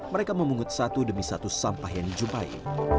mereka memungut satu demi satu sampah yang dijumpai